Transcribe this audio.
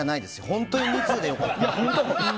本当に２通で良かった。